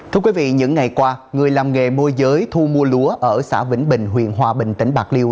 thưa quý vị những ngày qua người làm nghề môi giới thu mua lúa ở xã vĩnh bình huyện hòa bình tỉnh bạc liêu